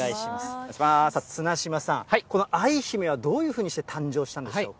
綱嶋さん、この愛姫はどういうふうにして誕生したんでしょうか。